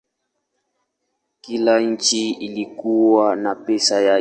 Kila nchi ilikuwa na pesa yake.